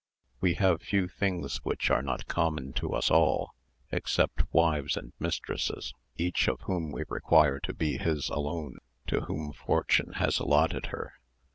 "We have few things which are not common to us all, except wives and mistresses, each of whom we require to be his alone to whom fortune has allotted her.